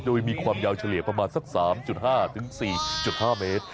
โดยมีความยาวเฉลี่ยประมาณสัก๓๕๔๕เมตร